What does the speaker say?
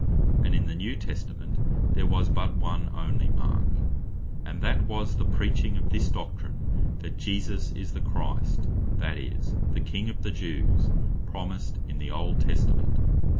and in the New Testament there was but one onely mark; and that was the preaching of this Doctrine, That Jesus Is The Christ, that is, the King of the Jews, promised in the Old Testament.